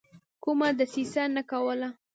کومه دسیسه نه کوله.